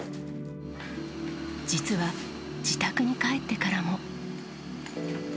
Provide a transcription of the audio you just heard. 実は自宅に帰ってからも。